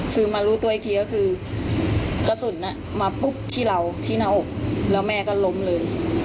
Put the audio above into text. คือมารู้ตัวอีกทีก็คือกระสุนมาปุ๊บที่เราที่หน้าอกแล้วแม่ก็ล้มเลย